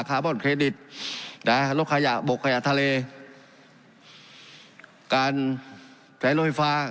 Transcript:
คาร์บอนเครดิตน่ะรถขยะบกขยะทะเลการแผนโรคไฟฟ้า